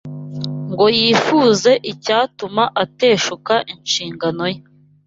ngo yifuze icyatuma ateshuka inshingano ye.